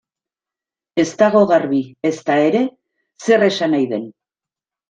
Ez dago garbi, ezta ere, zer esan nahi den.